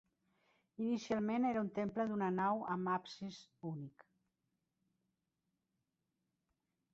Inicialment era un temple d'una nau amb absis únic.